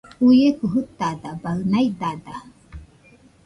Uieko jɨtada baɨ naidada